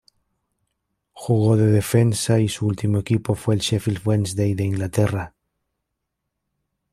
Jugó de defensa y su último equipo fue el Sheffield Wednesday de Inglaterra.